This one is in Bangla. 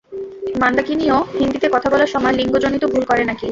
মান্দাকিনিও হিন্দিতে কথা বলার সময় লিঙ্গজনিত ভুল করে না কি?